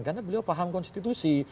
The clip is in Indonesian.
karena beliau paham konstitusi